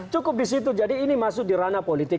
cukup disitu jadi ini masuk di ranah politik